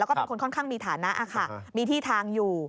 ค่อนข้างมีฐานะอะค่ะมีที่ทางอยู่